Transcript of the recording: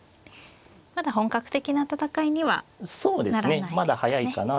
まだ本格的な戦いにはならないですかね。